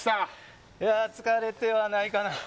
疲れてはないかな。